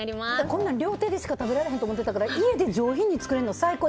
こんなの料亭でしか食べられへんと思ってたから家で上品に作れるの最高。